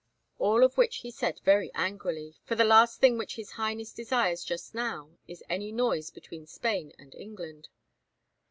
All of which he said very angrily, for the last thing which his Highness desires just now is any noise between Spain and England."